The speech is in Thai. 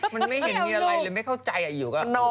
มันไม่เห็นมีอะไรเลยไม่เข้าใจอยู่ก็